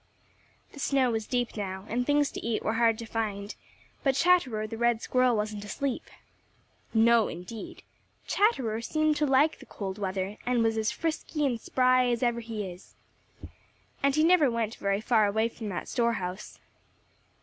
The snow was deep now, and things to eat were hard to find, but Chatterer the Red Squirrel wasn't asleep. No, indeed! Chatterer seemed to like the cold weather and was as frisky and spry as ever he is. And he never went very far away from that store house.